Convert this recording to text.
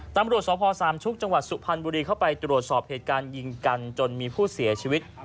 ตำรวจสพสามชุกจังหวัดสุพรรณบุรีเข้าไปตรวจสอบเหตุการณ์ยิงกันจนมีผู้เสียชีวิต